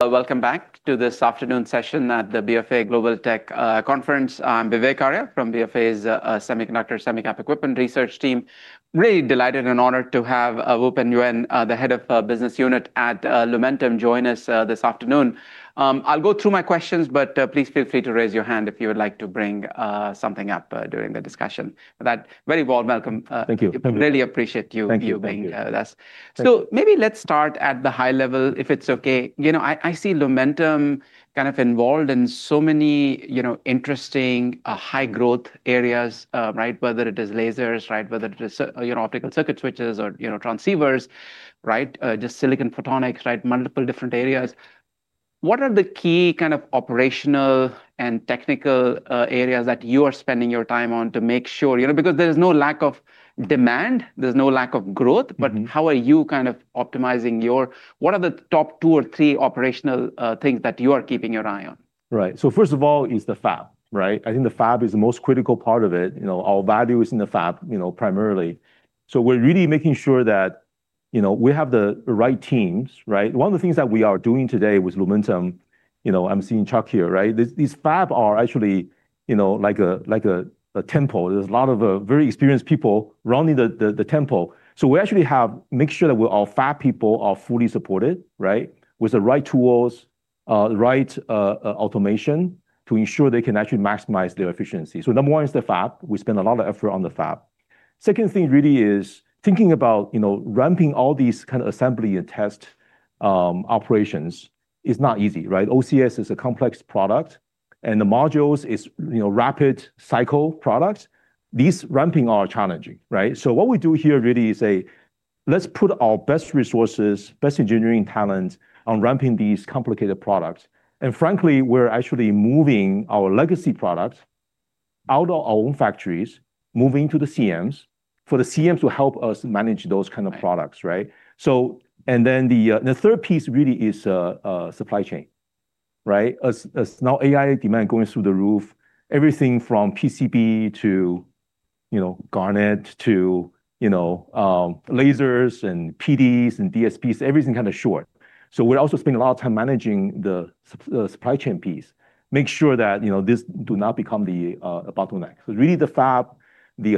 Welcome back to this afternoon's session at the BofA Global Tech Conference. I'm Vivek Arya from BofA's Semiconductor & Semi Cap Equipment research team. Really delighted and honored to have Wupen Yuen, the Head of Business Unit at Lumentum, join us this afternoon. I'll go through my questions, but please feel free to raise your hand if you would like to bring something up during the discussion. With that, very warm welcome. Thank you. Really appreciate you- Thank you. You being here with us. Thank you. Maybe let's start at the high level if it's okay. I see Lumentum kind of involved in so many interesting high growth areas, right. Whether it is lasers, right, whether it is optical circuit switches or transceivers, right, just silicon photonics, right, multiple different areas. What are the key kind of operational and technical areas that you are spending your time on to make sure, because there is no lack of demand, there's no lack of growth, but how are you kind of optimizing? What are the top two or three operational things that you are keeping your eye on? Right. First of all is the fab, right? I think the fab is the most critical part of it. Our value is in the fab, primarily. We're really making sure that we have the right teams, right? One of the things that we are doing today with Lumentum, I'm seeing Chuck here, right? These fab are actually like a temple. There's a lot of very experienced people running the temple. We actually have make sure that our fab people are fully supported, right, with the right tools, the right automation to ensure they can actually maximize their efficiency. Number one is the fab. We spend a lot of effort on the fab. Second thing really is thinking about ramping all these kind of assembly and test operations is not easy, right? OCS is a complex product, and the modules is rapid cycle products. These ramping are challenging, right? What we do here really is say, "Let's put our best resources, best engineering talent on ramping these complicated products." Frankly, we're actually moving our legacy products out of our own factories, moving to the CMs for the CMs to help us manage those kind of products, right? Right. The third piece really is supply chain, right. As now AI demand going through the roof, everything from PCB to garnet to lasers and PDs and DSPs, everything's kind of short. We're also spending a lot of time managing the supply chain piece. Make sure that this do not become the bottleneck. Really the fab, the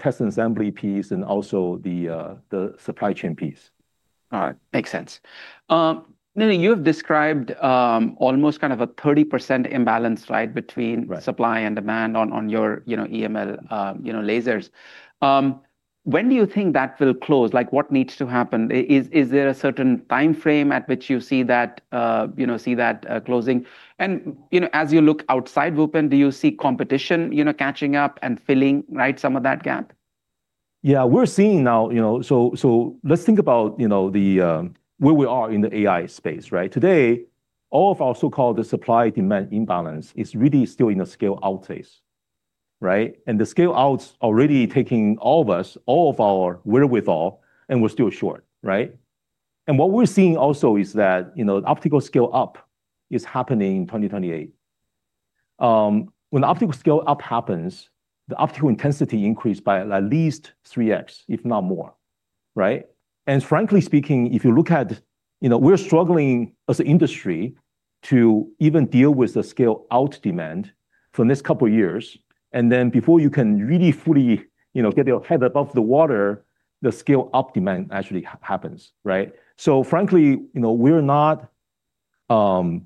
test and assembly piece, and also the supply chain piece. All right. Makes sense. Wupen, you have described almost kind of a 30% imbalance, right, between? Right supply and demand on your EML lasers. When do you think that will close? Like what needs to happen? Is there a certain time frame at which you see that closing? As you look outside, Wupen, do you see competition catching up and filling, right, some of that gap? Yeah, we're seeing now, let's think about where we are in the AI space, right? Today, all of our so-called the supply-demand imbalance is really still in a scale-out phase, right? The scale-out's already taking all of us, all of our wherewithal, and we're still short, right? What we're seeing also is that optical scale-up is happening in 2028. When the optical scale-up happens, the optical intensity increase by at least 3x, if not more, right? Frankly speaking, if you look at, we're struggling as an industry to even deal with the scale-out demand for this couple years, and then before you can really fully get your head above the water, the scale-up demand actually happens, right? Frankly, we're not too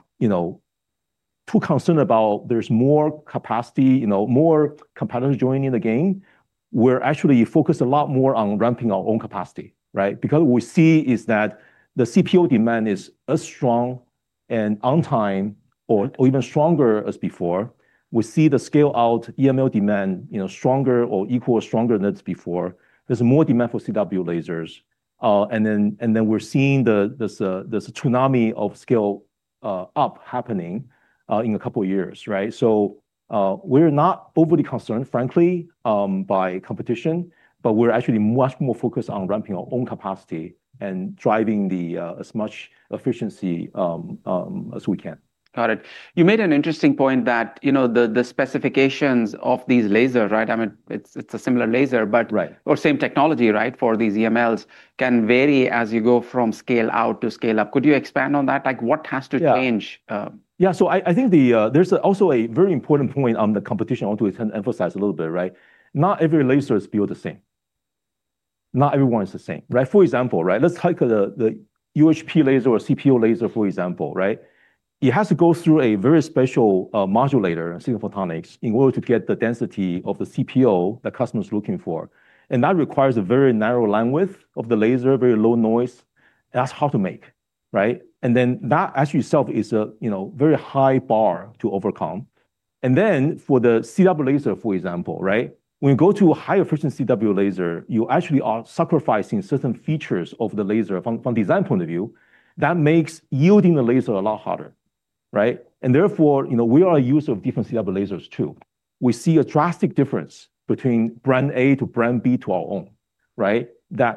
concerned about there's more capacity, more competitors joining the game. We're actually focused a lot more on ramping our own capacity, right? What we see is that the CPO demand is as strong and on time or even stronger as before. We see the scale-out EML demand stronger or equal or stronger than it's before. There's more demand for CW lasers. We're seeing this tsunami of scale-up happening in a couple of years, right? We're not overly concerned, frankly, by competition, but we're actually much more focused on ramping our own capacity and driving as much efficiency as we can. Got it. You made an interesting point that the specifications of these laser, right, I mean, it's a similar laser. Right Same technology, right, for these EMLs can vary as you go from scale-out to scale-up. Could you expand on that? Like, what has to change? Yeah. I think there's also a very important point on the competition I want to emphasize a little bit, right? Not every laser is built the same. Not every one is the same, right? For example, right, let's take the UHP laser or CPO laser, for example, right? It has to go through a very special modulator in silicon photonics in order to get the density of the CPO the customer's looking for. That requires a very narrow linewidth of the laser, very low noise. That's hard to make. Right? That as yourself is a very high bar to overcome. For the CW laser, for example, right? When you go to a higher frequency CW laser, you actually are sacrificing certain features of the laser from design point of view, that makes yielding the laser a lot harder. Right? Therefore, we are a user of different CW lasers too. We see a drastic difference between brand A to brand B to our own, right? Right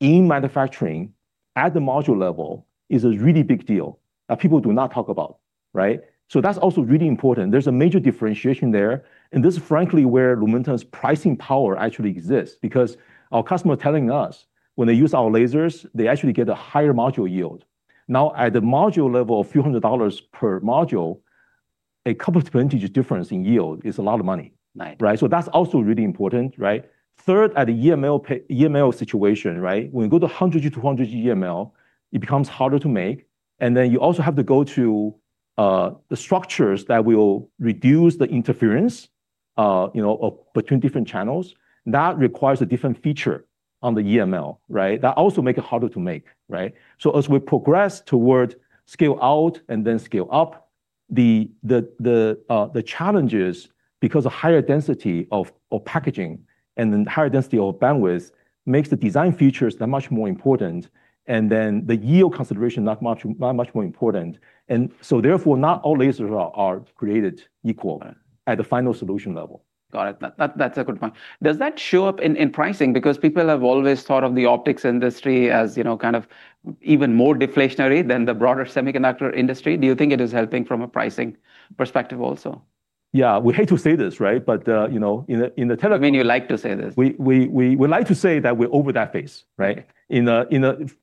in manufacturing at the module level is a really big deal that people do not talk about. Right? That's also really important. There's a major differentiation there, and this is frankly where Lumentum's pricing power actually exists. Because our customer telling us when they use our lasers, they actually get a higher module yield. Now, at the module level, a few hundred dollars per module, a couple of percentage difference in yield is a lot of money. Right. That's also really important, right? Third, at the EML situation, right, when you go to 100G 200G EML, it becomes harder to make. You also have to go to the structures that will reduce the interference between different channels. That requires a different feature on the EML, right? That also make it harder to make, right? As we progress toward scale out and then scale up, the challenges, because the higher density of packaging and the higher density of bandwidth makes the design features that much more important, and then the yield consideration that much more important. Therefore, not all lasers are created equal. Right at the final solution level. Got it. That's a good point. Does that show up in pricing? Because people have always thought of the optics industry as kind of even more deflationary than the broader semiconductor industry. Do you think it is helping from a pricing perspective also? Yeah. We hate to say this, right, but in the. I mean, you like to say this. We like to say that we're over that phase. Right?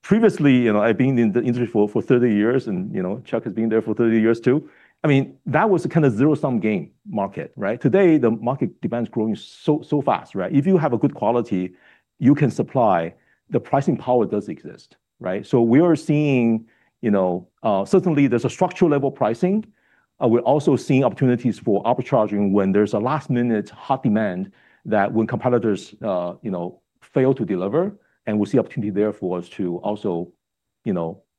Previously, I've been in the industry for 30 years, and Chuck has been there for 30 years too, that was a kind of zero-sum game market, right? Today, the market demand is growing so fast, right? If you have a good quality you can supply, the pricing power does exist, right? We are seeing, certainly, there's a structural level pricing. We're also seeing opportunities for up charging when there's a last-minute hot demand that when competitors fail to deliver, and we see opportunity there for us to also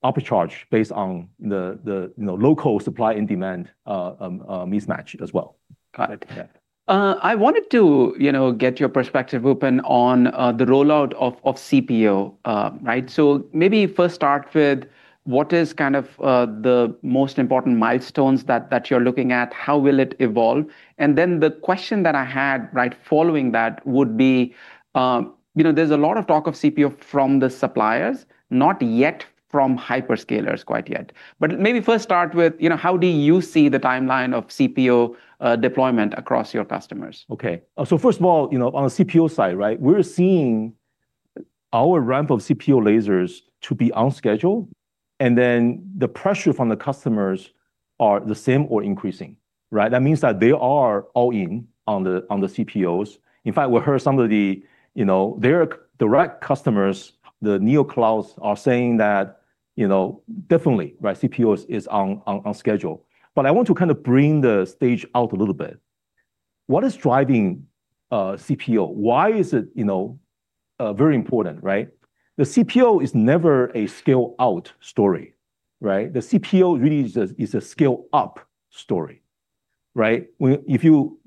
up charge based on the local supply and demand mismatch as well. Got it. Yeah. I wanted to get your perspective Wupen on the rollout of CPO. Right? Maybe first start with what is kind of the most important milestones that you're looking at, how will it evolve? Then the question that I had, right, following that would be, there's a lot of talk of CPO from the suppliers, not yet from hyperscalers quite yet. Maybe first start with, how do you see the timeline of CPO deployment across your customers? First of all, on the CPO side, right, we're seeing our ramp of CPO lasers to be on schedule, the pressure from the customers are the same or increasing. Right? That means that they are all in on the CPOs. In fact, we heard some of their direct customers, the neoclouds are saying that definitely CPOs is on schedule. I want to kind of bring the stage out a little bit. What is driving CPO? Why is it very important, right? The CPO is never a scale out story. Right? The CPO really is a scale up story. Right? If you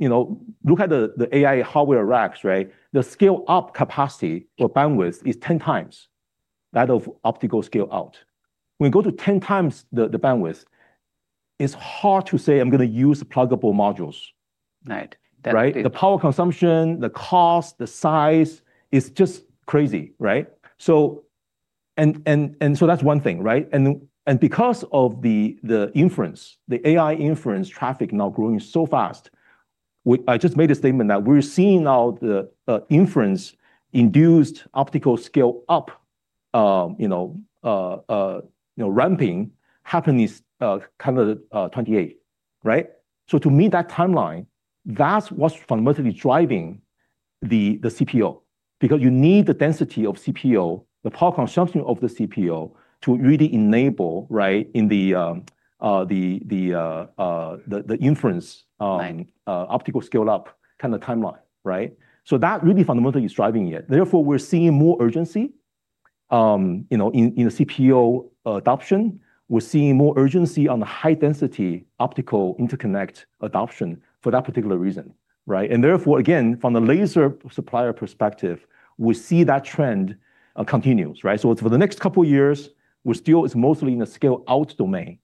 look at the AI hardware racks, right, the scale up capacity or bandwidth is 10 times that of optical scale out. When you go to 10 times the bandwidth, it's hard to say, "I'm going to use pluggable modules. Right. Definitely. The power consumption, the cost, the size is just crazy, right? That's one thing, right? Because of the inference, the AI inference traffic now growing so fast, I just made a statement that we're seeing now the inference induced optical scale up ramping happen is kind of 2028. To meet that timeline, that's what's fundamentally driving the CPO because you need the density of CPO, the power consumption of the CPO to really enable, right. Right optical scale up kind of timeline, right? That really fundamentally is driving it. Therefore, we're seeing more urgency in the CPO adoption. We're seeing more urgency on the high density optical interconnect adoption for that particular reason, right? Therefore, again, from the laser supplier perspective, we see that trend continues, right? For the next couple of years, we're still, it's mostly in a scale out domain.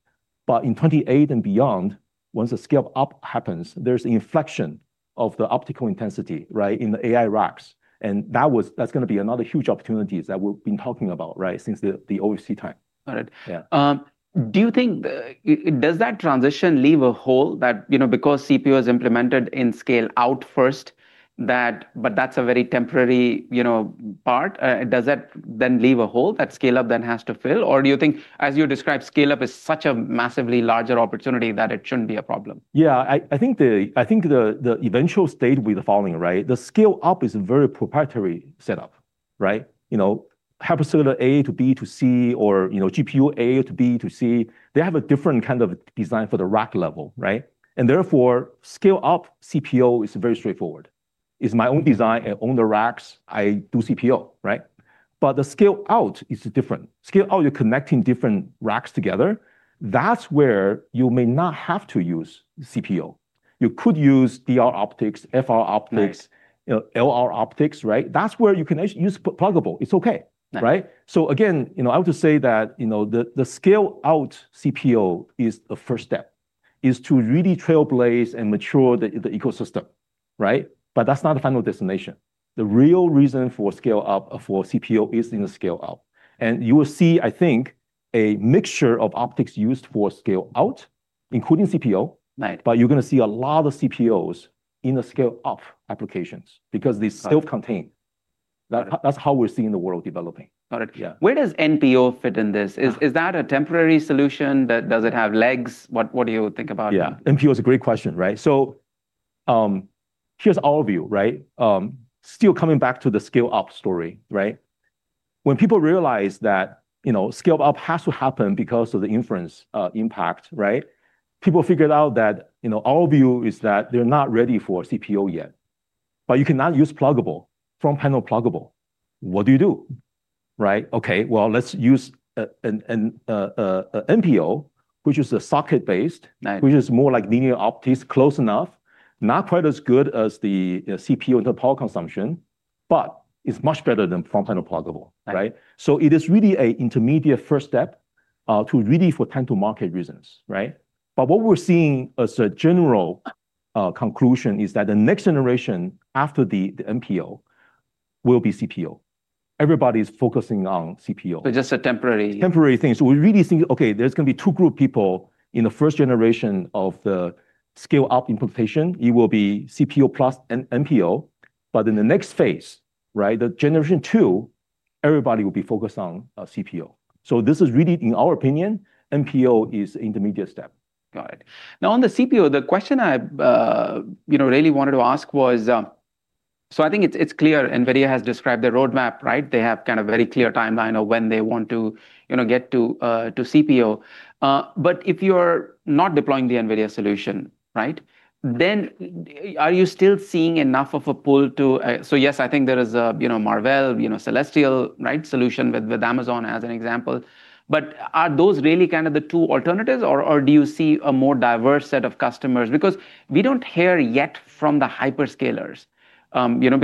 In 2028 and beyond, once the scale up happens, there's inflection of the optical intensity, right, in the AI racks. That's going to be another huge opportunity that we've been talking about, right, since the OFC time. Got it. Yeah. Does that transition leave a hole that because CPO is implemented in scale out first, but that's a very temporary part, does that then leave a hole that scale up then has to fill? Do you think, as you described, scale up is such a massively larger opportunity that it shouldn't be a problem? Yeah. I think the eventual state will be the following, right? The scale up is a very proprietary setup. Right? Hyperscalar A to B to C, or GPU A to B to C, they have a different kind of design for the rack level, right? Therefore, scale up CPO is very straightforward. It's my own design. I own the racks. I do CPO, right? The scale out is different. Scale out, you're connecting different racks together. That's where you may not have to use CPO. You could use DR optics, FR optics. Right LR optics, right? That's where you can actually use pluggable. It's okay. Right. Right? Again, I would just say that the scale out CPO is a first step, is to really trailblaze and mature the ecosystem. Right? That's not the final destination. The real reason for scale up for CPO is in the scale out. You will see, I think, a mixture of optics used for scale out, including CPO. Right. You're going to see a lot of CPOs in the scale up applications because they self-contain. Got it. That's how we're seeing the world developing. Got it. Yeah. Where does NPO fit in this? Yeah. Is that a temporary solution? Does it have legs? What do you think about it? Yeah. NPO is a great question, right? Here's our view. Still coming back to the scale up story, right? When people realize that scale up has to happen because of the inference impact, people figured out that our view is that they're not ready for CPO yet. You cannot use pluggable, front panel pluggable. What do you do? Right? Okay. Well, let's use an NPO, which is a socket-based. Right which is more like linear optics, close enough, not quite as good as the CPO inter-power consumption, but it's much better than front panel pluggable. Right. It is really an intermediate first step, to really for time to market reasons. What we're seeing as a general conclusion is that the next generation after the NPO will be CPO. Everybody's focusing on CPO. So just a temporary- Temporary thing. We really think, okay, there's going to be two group people in the first generation of the scale up implementation. It will be CPO + NPO, but in the next phase, the Generation 2, everybody will be focused on CPO. This is really, in our opinion, NPO is intermediate step. Got it. On the CPO, the question I really wanted to ask was, I think it's clear NVIDIA has described their roadmap. They have kind of very clear timeline of when they want to get to CPO. If you're not deploying the NVIDIA solution, are you still seeing enough of a pull? Yes, I think there is a Marvell, Celestial solution with Amazon as an example. Are those really kind of the two alternatives, or do you see a more diverse set of customers? We don't hear yet from the hyperscalers,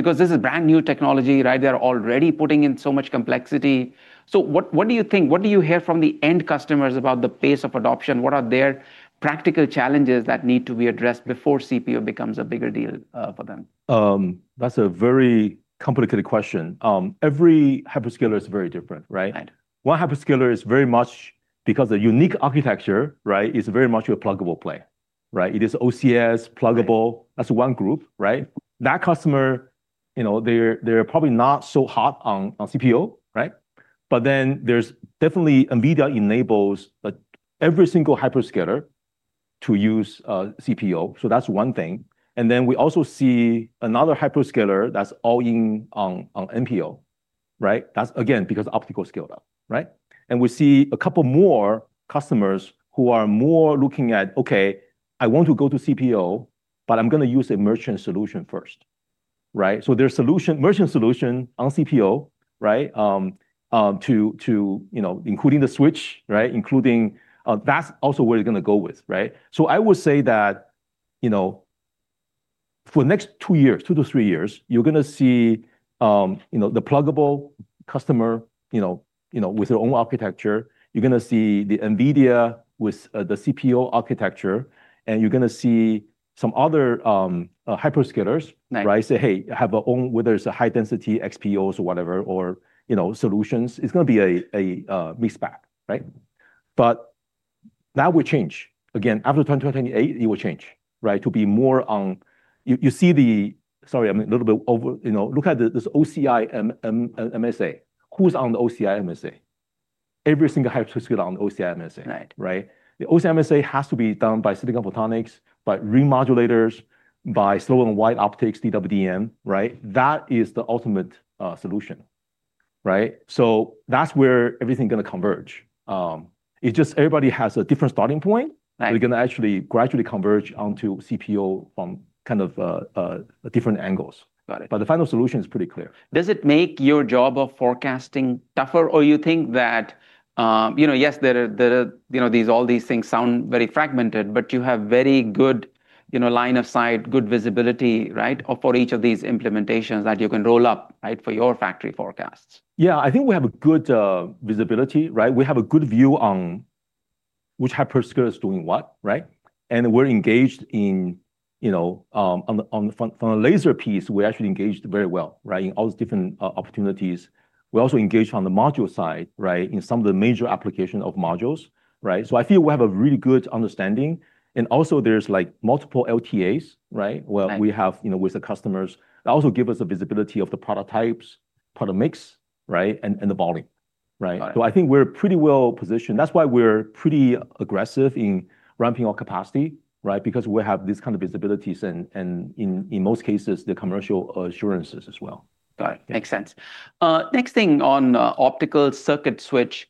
because this is brand-new technology. They're already putting in so much complexity. What do you think? What do you hear from the end customers about the pace of adoption? What are their practical challenges that need to be addressed before CPO becomes a bigger deal for them? That's a very complicated question. Every hyperscaler is very different, right? Right. One hyperscaler is very much, because of unique architecture, is very much a pluggable play. It is OCS pluggable. Right. That's one group. That customer, they're probably not so hot on CPO. There's definitely NVIDIA enables every single hyperscaler to use CPO, so that's one thing. We also see another hyperscaler that's all in on NPO. That's again because optical scale up. We see a couple more customers who are more looking at, okay, I want to go to CPO, but I'm going to use a merchant solution first. There's merchant solution on CPO, including the switch. That's also where they're going to go with. I would say that, for next two years, two to three years, you're going to see the pluggable customer with their own architecture. You're going to see the NVIDIA with the CPO architecture, and you're going to see some other hyperscalers. Right say, hey, have our own, whether it's a high density XPOs or whatever, or solutions. It's going to be a mixed bag. That will change. After 2028, it will change to be more on, look at this OCI MSA. Who's on the OCI MSA? Every single hyperscaler on the OCI MSA. Right. The OCI MSA has to be done by silicon photonics, by ring modulators, by slow and wide optics, DWDM. That is the ultimate solution. That's where everything going to converge. It just, everybody has a different starting point. Right. We're going to actually gradually converge onto CPO from kind of different angles. Got it. The final solution is pretty clear. Does it make your job of forecasting tougher? You think that, yes, all these things sound very fragmented, but you have very good line of sight, good visibility for each of these implementations that you can roll up for your factory forecasts? Yeah, I think we have a good visibility. We have a good view on which hyperscaler is doing what. We're engaged in, from the laser piece, we're actually engaged very well in all these different opportunities. We also engage on the module side in some of the major application of modules. I feel we have a really good understanding, and also there's multiple LTAs where we have with the customers. That also give us the visibility of the product types, product mix, and the volume. Got it. I think we're pretty well-positioned. That's why we're pretty aggressive in ramping our capacity, because we have these kind of visibilities, and in most cases, the commercial assurances as well. Got it. Makes sense. Next thing on optical circuit switch.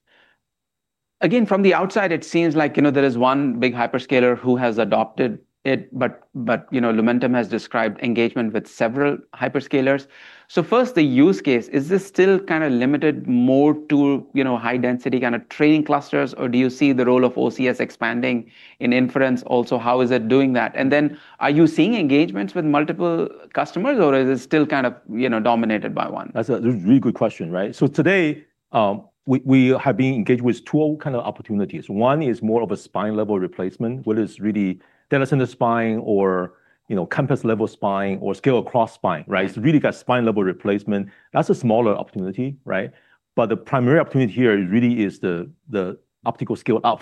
Again, from the outside, it seems like there is one big hyperscaler who has adopted it, but Lumentum has described engagement with several hyperscalers. First, the use case, is this still kind of limited more to high density kind of training clusters, or do you see the role of OCS expanding in inference also? How is it doing that? Then are you seeing engagements with multiple customers, or is it still kind of dominated by one? That's a really good question. Today, we have been engaged with two kind of opportunities. One is more of a spine level replacement, whether it's really data center spine or campus level spine or scale across spine. Really got spine level replacement. That's a smaller opportunity. The primary opportunity here really is the optical scale up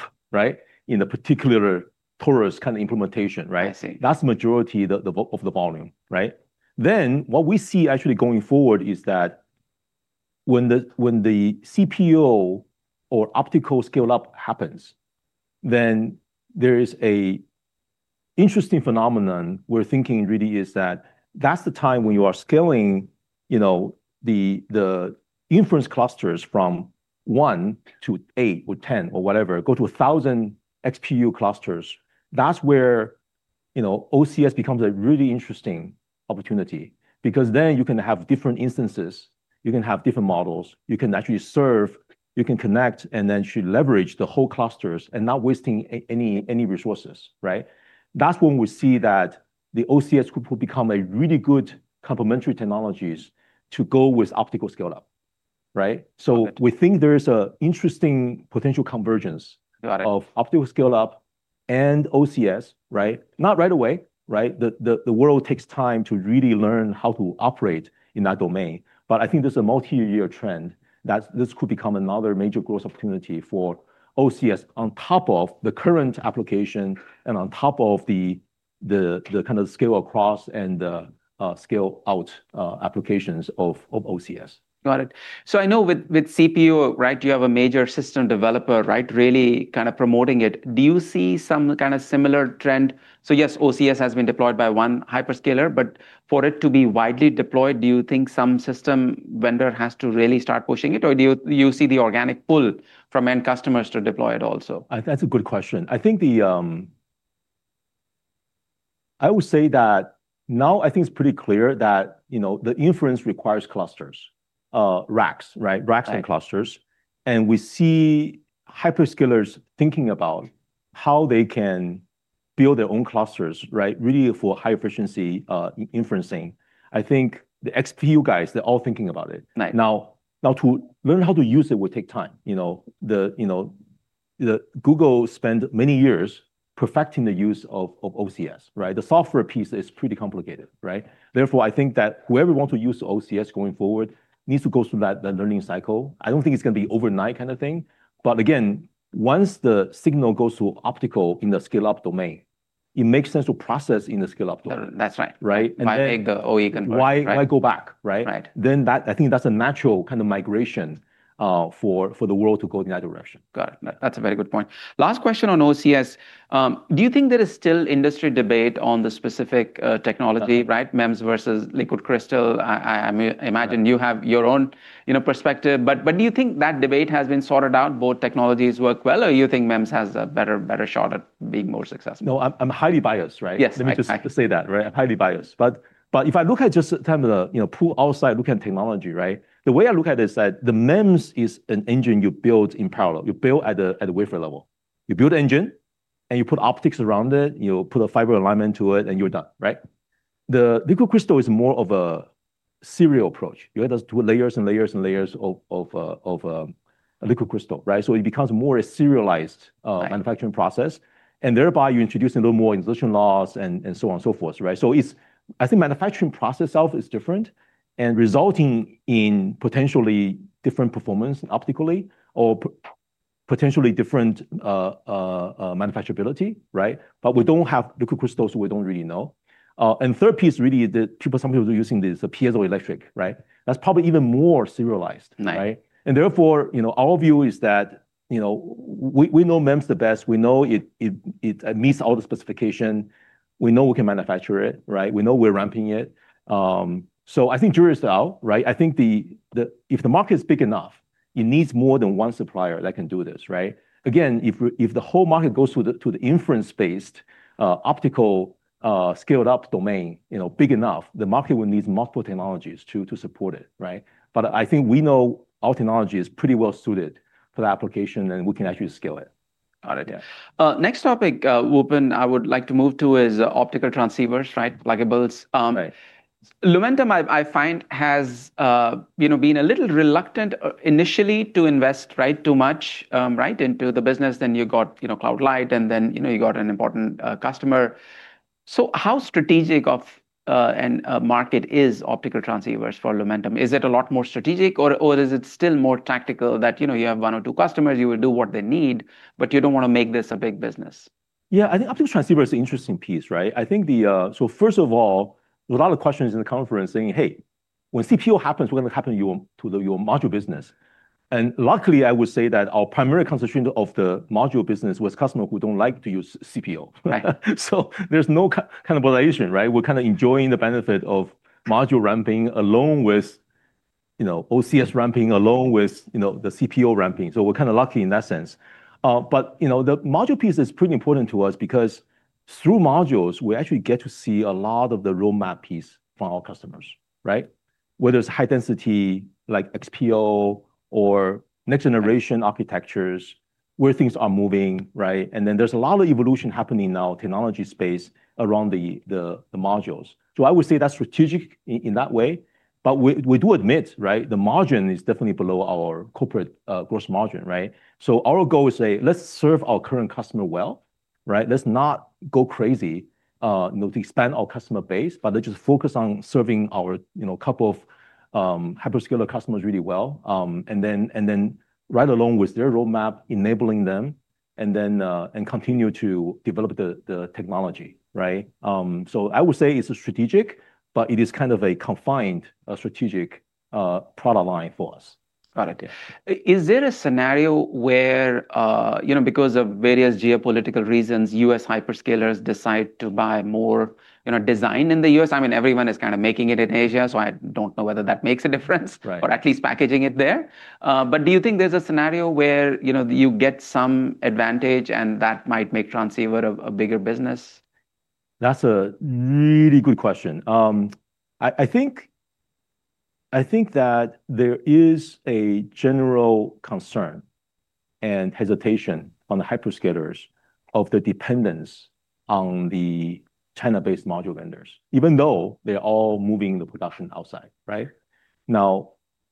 in the particular torus kind of implementation, right? I see. That's majority of the volume, right? What we see actually going forward is that when the CPO or optical scale up happens, then there is a interesting phenomenon we're thinking really is that that's the time when you are scaling the inference clusters from one to eight or 10 or whatever, go to 1,000 XPU clusters. That's where OCS becomes a really interesting opportunity because then you can have different instances, you can have different models, you can actually serve, you can connect, and then should leverage the whole clusters and not wasting any resources, right? That's when we see that the OCS group will become a really good complementary technologies to go with optical scale up. Right? Got it. we think there is an interesting potential convergence. Got it. of optical scale up and OCS, right? Not right away, right? The world takes time to really learn how to operate in that domain, but I think there's a multi-year trend that this could become another major growth opportunity for OCS on top of the current application and on top of the scale across and the scale out applications of OCS. Got it. I know with CPO, right, you have a major system developer, right, really kind of promoting it. Do you see some kind of similar trend? Yes, OCS has been deployed by one hyperscaler, but for it to be widely deployed, do you think some system vendor has to really start pushing it, or do you see the organic pull from end customers to deploy it also? That's a good question. I would say that now I think it's pretty clear that the inference requires clusters, racks, right? Right. Racks and clusters. We see hyperscalers thinking about how they can build their own clusters, right? Really for high efficiency inferencing. I think the XPU guys, they're all thinking about it. Right. To learn how to use it will take time. Google spent many years perfecting the use of OCS, right? The software piece is pretty complicated, right? I think that whoever want to use OCS going forward needs to go through that learning cycle. I don't think it's going to be overnight kind of thing. Again, once the signal goes to optical in the scale up domain, it makes sense to process in the scale up domain. That's right. Right? Why make the OE convert, right? Why go back, right? Right. I think that's a natural kind of migration for the world to go in that direction. Got it. No, that's a very good point. Last question on OCS. Do you think there is still industry debate on the specific technology, right? MEMS versus liquid crystal. I imagine you have your own perspective, but do you think that debate has been sorted out, both technologies work well, or you think MEMS has a better shot at being more successful? No, I'm highly biased, right? Yes. Let me just have to say that, right? I'm highly biased. If I look at just the pool outside, look at technology, right? The way I look at it is that the MEMS is an engine you build in parallel, you build at the wafer level. You build the engine and you put optics around it, you put a fiber alignment to it, and you're done, right? The liquid crystal is more of a serial approach. You have those layers and layers and layers of a liquid crystal, right? It becomes more a. Right manufacturing process, thereby you introduce a little more insertion loss and so on and so forth. Right? I think manufacturing process itself is different and resulting in potentially different performance optically or potentially different manufacturability, right? We don't have liquid crystals, so we don't really know. Third piece really that some people are using is the piezoelectric, right? That's probably even more serialized, right? Right. Therefore, our view is that we know MEMS the best. We know it meets all the specification. We know we can manufacture it, right? We know we're ramping it. I think jury is out, right? I think if the market is big enough, it needs more than one supplier that can do this. Right? Again, if the whole market goes to the inference-based, optical, scaled up domain, big enough, the market will need multiple technologies to support it, right? I think we know our technology is pretty well suited for the application, and we can actually scale it. Got it. Yeah. Next topic, Wupen Yuen, I would like to move to is optical transceivers, right? pluggables. Right. Lumentum, I find, has been a little reluctant initially to invest, right, too much, right, into the business. You got Cloud Light, and then you got an important customer. How strategic of a market is optical transceivers for Lumentum? Is it a lot more strategic or is it still more tactical that you have one or two customers, you will do what they need, but you don't want to make this a big business? Yeah. I think optical transceiver is an interesting piece, right? First of all, there's a lot of questions in the conference saying, "Hey, when CPO happens, what going to happen to your module business?" Luckily, I would say that our primary concentration of the module business was customer who don't like to use CPO. Right. There's no cannibalization, right? We're kind of enjoying the benefit of module ramping along with OCS ramping, along with the CPO ramping. We're kind of lucky in that sense. The module piece is pretty important to us because through modules, we actually get to see a lot of the roadmap piece from our customers, right? Whether it's high density like XPO or next generation architectures where things are moving, right? Then there's a lot of evolution happening now, technology space around the modules. I would say that's strategic in that way, but we do admit, right, the margin is definitely below our corporate gross margin, right? Our goal is say, let's serve our current customer well, right? Let's not go crazy to expand our customer base, but they just focus on serving our couple of hyperscaler customers really well. Right along with their roadmap, enabling them, and continue to develop the technology. I would say it's strategic, but it is kind of a confined strategic product line for us. Got it. Is there a scenario where, because of various geopolitical reasons, U.S. hyperscalers decide to buy more design in the U.S.? Everyone is kind of making it in Asia, so I don't know whether that makes a difference. Right. At least packaging it there. Do you think there's a scenario where you get some advantage and that might make transceiver a bigger business? That's a really good question. I think that there is a general concern and hesitation on the hyperscalers of the dependence on the China-based module vendors, even though they're all moving the production outside, right?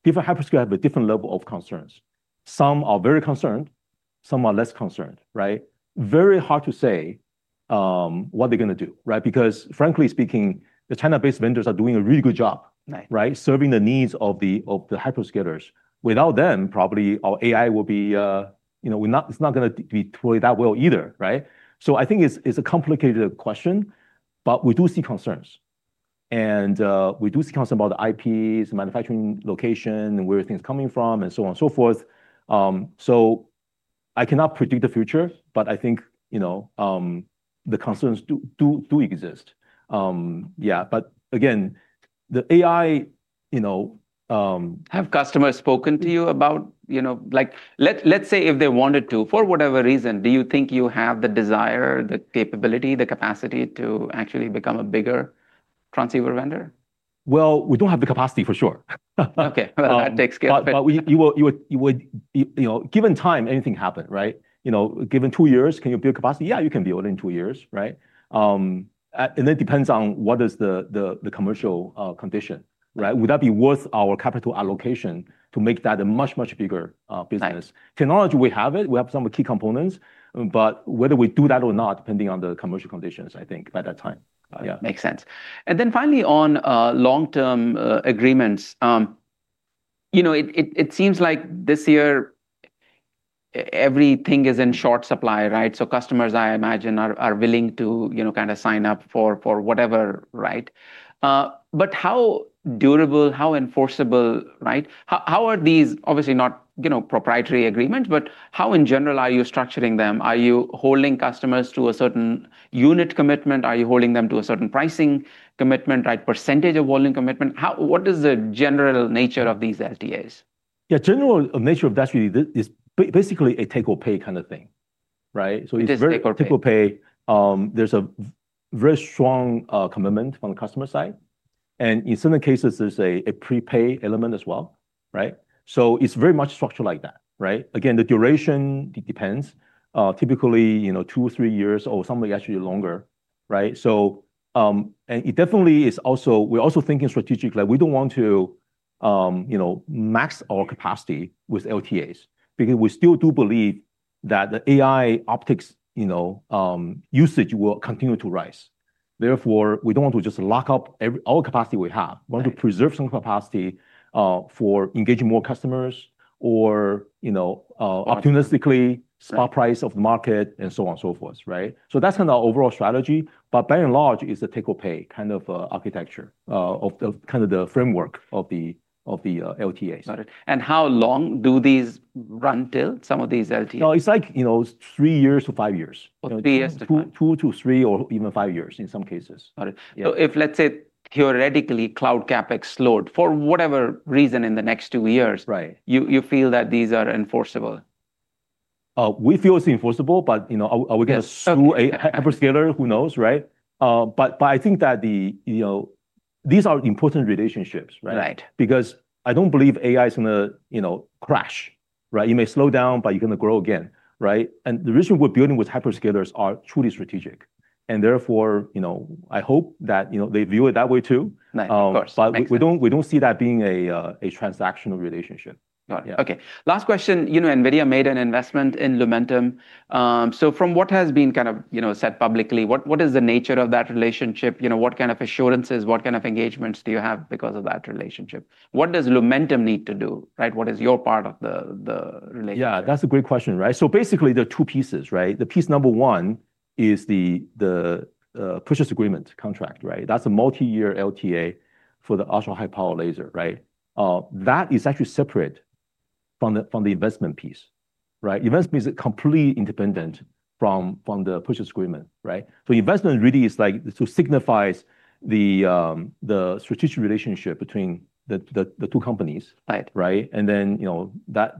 Different hyperscalers have a different level of concerns. Some are very concerned, some are less concerned, right? Very hard to say what they're going to do, right? Frankly speaking, the China-based vendors are doing a really good job. Right. Serving the needs of the hyperscalers. Without them, probably our AI, it's not going to be totally that well either. I think it's a complicated question, but we do see concerns. We do see concerns about the IPs, the manufacturing location, and where are things coming from, and so on and so forth. I cannot predict the future, but I think the concerns do exist. Yeah. Have customers spoken to you? Let's say if they wanted to, for whatever reason, do you think you have the desire, the capability, the capacity to actually become a bigger transceiver vendor? Well, we don't have the capacity, for sure. Okay. Well, that makes good- Given time, anything happen, right? Given two years, can you build capacity? Yeah, you can build it in two years. It depends on what is the commercial condition, right? Would that be worth our capital allocation to make that a much, much bigger business? Right. Technology, we have it. We have some of the key components, but whether we do that or not, depending on the commercial conditions, I think by that time. Yeah. Makes sense. Then finally, on Long-Term Agreements. It seems like this year everything is in short supply, right? Customers, I imagine, are willing to sign up for whatever. How durable, how enforceable, right? How are these, obviously not proprietary agreements, but how in general are you structuring them? Are you holding customers to a certain unit commitment? Are you holding them to a certain pricing commitment, percentage of volume commitment? What is the general nature of these LTAs? Yeah. General nature of that is basically a take or pay kind of thing. Right? It is take or pay. Take or pay. There's a very strong commitment from the customer side, and in some cases, there's a prepay element as well. It's very much structured like that. Again, the duration depends. Typically, two or three years or some are actually longer. We're also thinking strategic, like we don't want to max our capacity with LTAs because we still do believe that the AI optics usage will continue to rise. Therefore, we don't want to just lock up all capacity we have. Right. We want to preserve some capacity for engaging more customers or opportunistically spot price of the market and so on and so forth. That's kind of our overall strategy, but by and large, it's a take or pay kind of architecture of the framework of the LTAs. Got it. How long do these run till, some of these LTAs? It's three years, five years. Three years to five. Two to three or even five years in some cases. Got it. Yeah. If, let's say theoretically, cloud CapEx slowed for whatever reason in the next two years- Right you feel that these are enforceable? We feel it's enforceable, are we going to sue a hyperscaler? Who knows, right? I think that these are important relationships. Right. I don't believe AI's going to crash. It may slow down, but you're going to grow again. The reason we're building with hyperscalers are truly strategic, and therefore, I hope that they view it that way, too. Nice. Of course. Makes sense. We don't see that being a transactional relationship. Got it. Okay. Last question. NVIDIA made an investment in Lumentum. From what has been said publicly, what is the nature of that relationship? What kind of assurances, what kind of engagements do you have because of that relationship? What does Lumentum need to do? What is your part of the relationship? Yeah, that's a great question. Basically, there are two pieces. The piece number one is the purchase agreement contract. That's a multi-year LTA for the ultra-high power laser. That is actually separate from the investment piece. Investment piece is completely independent from the purchase agreement. Investment really signifies the strategic relationship between the two companies. Right.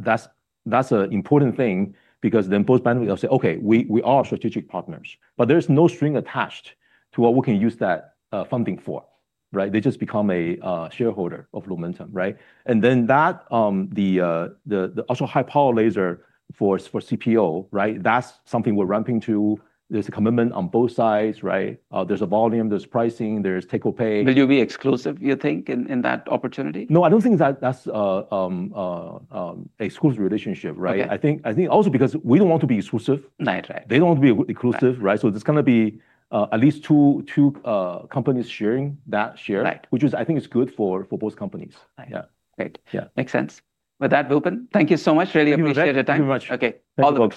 That's an important thing because both parties will say, "Okay, we are strategic partners," but there's no string attached to what we can use that funding for. They just become a shareholder of Lumentum. The ultra-high power laser for CPO, that's something we're ramping to. There's a commitment on both sides. There's a volume, there's pricing, there's take or pay. Will you be exclusive, you think, in that opportunity? No, I don't think that's a exclusive relationship. Okay. I think also because we don't want to be exclusive. Right. They don't want to be exclusive. There's going to be at least two companies sharing that share. Right. Which I think is good for both companies. Right. Yeah. Makes sense. With that, Wupen, thank you so much. Really appreciate the time. Thank you very much. Okay. Thanks for the opportunity.